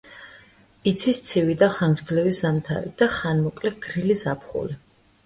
იცის ცივი და ხანგრძლივი ზამთარი და ხანმოკლე გრილი ზაფხული.